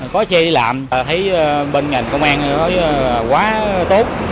có xe đi làm thấy bên ngành công an nói quá tốt